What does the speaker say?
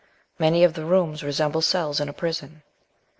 Many of the rooms resemble cells in a prison.